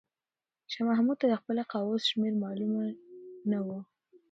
شاه محمود ته د خپلې قواوو شمېر معلومه نه و.